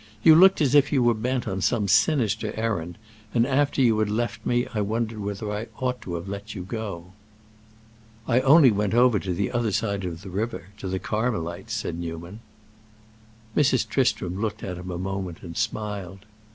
You looked as if you were bent on some sinister errand, and after you had left me I wondered whether I ought to have let you go." "I only went over to the other side of the river—to the Carmelites," said Newman. Mrs. Tristram looked at him a moment and smiled.